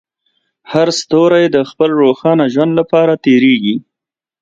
هر ستوری د خپل روښانه ژوند لپاره تېرېږي.